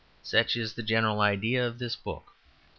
Such is the general idea of this book.